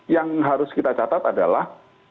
yang harus kita catat adalah